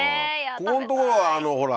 ここんところはあのほら